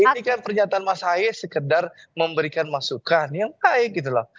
ini kan pernyataan mas ahy sekedar memberikan masukan yang baik gitu loh